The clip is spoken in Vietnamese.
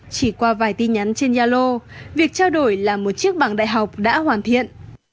chỉ qua vài tin nhắn trên yalo việc trao đổi làm một chiếc bằng đại học đã hoàn thiện